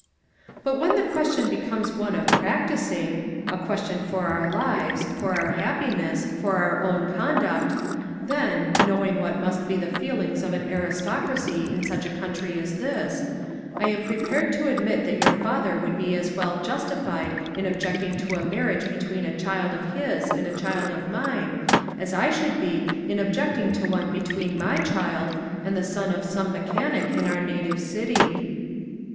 "But when the question becomes one of practising, a question for our lives, for our happiness, for our own conduct, then, knowing what must be the feelings of an aristocracy in such a country as this, I am prepared to admit that your father would be as well justified in objecting to a marriage between a child of his and a child of mine, as I should be in objecting to one between my child and the son of some mechanic in our native city."